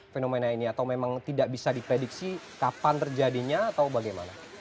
fenomena ini atau memang tidak bisa diprediksi kapan terjadinya atau bagaimana